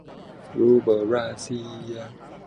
รูเบิลรัสเซีย